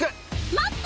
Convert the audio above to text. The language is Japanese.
待って！